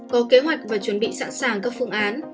có kế hoạch và chuẩn bị sẵn sàng các phương án